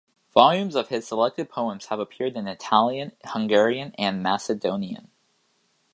Volumes of his selected poems have appeared in Italian, Hungarian and Macedonian.